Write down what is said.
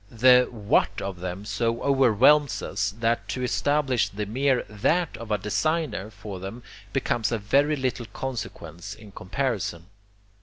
The WHAT of them so overwhelms us that to establish the mere THAT of a designer for them becomes of very little consequence in comparison.